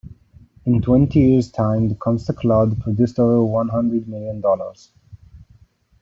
In twenty years time the Comstock Lode produced over one hundred million dollars.